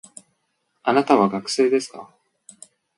あなたは学生ですか